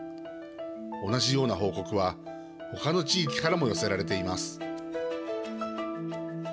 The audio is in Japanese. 同じような報告はほかの地域からも寄せられています。